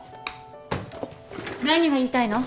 何が言いたいの？